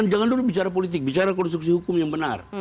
jangan dulu bicara politik bicara konstruksi hukum yang benar